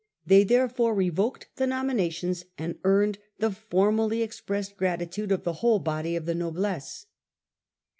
They therefore revoked the nominations, and earned the for mally expressed gratitude of the whole body of the noblesse.